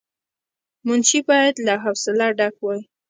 منشي باید له حوصله ډک وای.